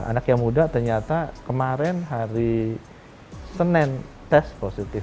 anak yang muda ternyata kemarin hari senin tes positif